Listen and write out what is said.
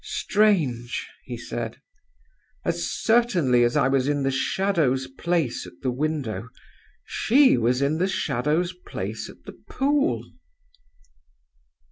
"'Strange!' he said. 'As certainly as I was in the Shadow's place at the window, she was in the Shadow's place at the pool!